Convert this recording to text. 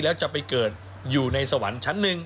แล้วจะไปเกิดอยู่ในสวรรค์ชั้นหนึ่ง